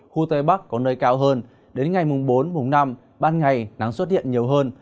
khu tây bắc có nơi cao hơn đến ngày bốn năm ban ngày nắng xuất hiện nhiều hơn